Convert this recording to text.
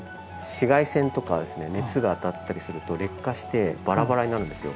紫外線とか熱が当たったりすると劣化してバラバラになるんですよ